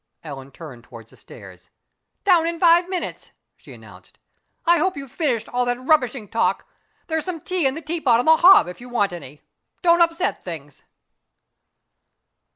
Ellen turned towards the stairs. "Down in five minutes," she announced. "I hope you've finished all that rubbishing talk. There's some tea in the tea pot on the hob, if you want any. Don't upset things."